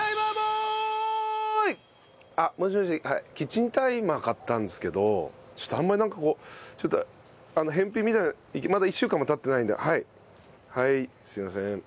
あっもしもしはいキッチンタイマー買ったんですけどあんまりなんかこうちょっと返品みたいなまだ１週間も経ってないんではいはいすいません。